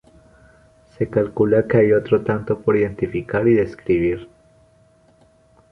Se calcula que hay otro tanto por identificar y describir.